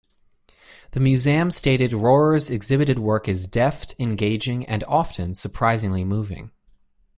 The museum stated Rohrer's exhibited work is deft, engaging, and often surprisingly moving.